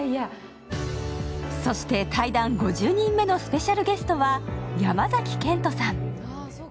そして対談５０人目のスペシャルゲストは山崎賢人さん。